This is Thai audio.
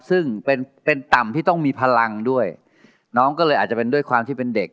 ซึ่งเป็นเป็นต่ำที่ต้องมีพลังด้วยน้องก็เลยอาจจะเป็นด้วยความที่เป็นเด็ก